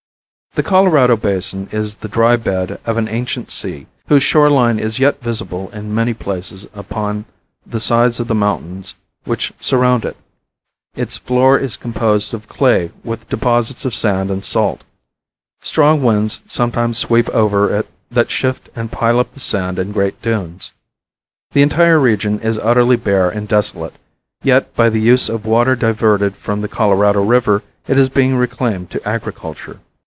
The Colorado Basin is the dry bed of an ancient sea whose shore line is yet visible in many places upon the sides of the mountains which surround it. Its floor is composed of clay with deposits of sand and salt. Strong winds sometimes sweep over it that shift and pile up the sand in great dunes. The entire region is utterly bare and desolate, yet by the use of water diverted from the Colorado river it is being reclaimed to agriculture.